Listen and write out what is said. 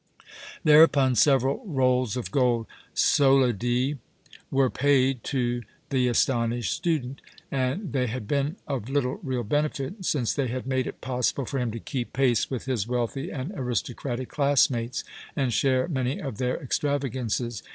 Thereupon several rolls of gold solidi were paid to the astonished student and they had been of little real benefit, since they had made it possible for him to keep pace with his wealthy and aristocratic classmates and share many of their extravagances.